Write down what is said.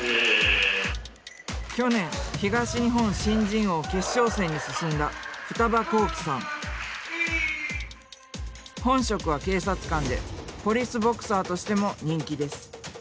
去年東日本新人王決勝戦に進んだ本職は警察官でポリスボクサーとしても人気です。